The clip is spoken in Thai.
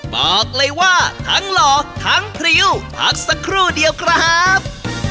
บอกเลยว่าทั้งหล่อทั้งพริ้วพักสักครู่เดียวครับ